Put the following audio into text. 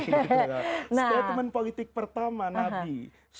statement politik pertama nabi